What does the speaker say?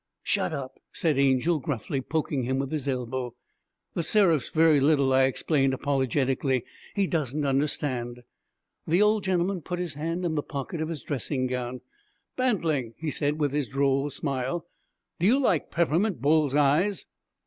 'Shut up!' said Angel gruffly, poking him with his elbow. 'The Seraph's very little,' I explained apologetically; 'he doesn't understand.' The old gentleman put his hand in the pocket of his dressing gown. 'Bantling,' he said with his droll smile, 'do you like peppermint bull's eyes?'